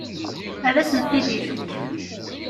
Ad asent-t-id-ifek.